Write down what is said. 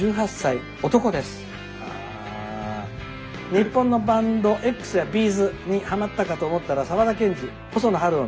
「日本のバンドＸやＢ’ｚにはまったかと思ったら沢田研二細野晴臣